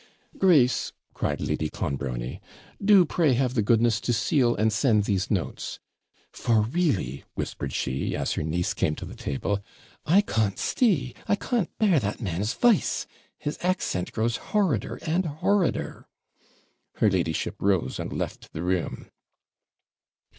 'Grace!' cried Lady Clonbrony, 'do pray have the goodness to seal and send these notes; for really,' whispered she, as her niece came to the table,'I CAWNT STEE, I cawnt bear that man's VICE, his accent grows horrider and horrider!' Her ladyship rose, and left the room.